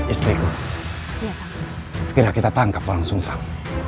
istriku segera kita tangkap orang sungsang